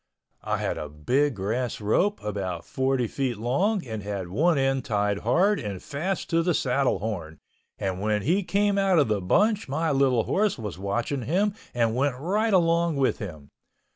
I had a big grass rope about 40 feet long and had one end tied hard and fast to the saddle horn and when he came out of the bunch my little horse was watching him and went right along with him.